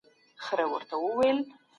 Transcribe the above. څېړنه له احساساتو څخه لیرې ساتل پکار دي.